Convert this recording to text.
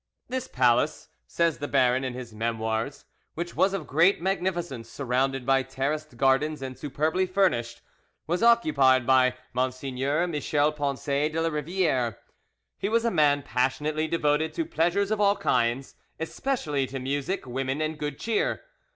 "This palace," says the baron in his Memoirs, "which was of great magnificence, surrounded by terraced gardens and superbly furnished, was occupied by Monseigneur Michel Poncet de La Riviere. He was a man passionately devoted to pleasures of all kinds, especially to music, women, and good cheer.